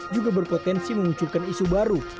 juga berpotensi memunculkan isu baru